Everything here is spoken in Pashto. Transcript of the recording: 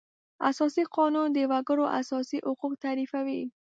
اساسي قانون د وکړو اساسي حقوق تعریفوي.